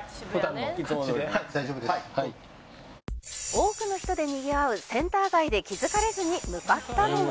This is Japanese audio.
「多くの人でにぎわうセンター街で気付かれずに向かったのは」